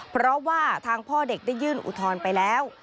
เพราะว่าทางพ่อเด็กได้ยื่นอุทธรณ์ไปแล้ว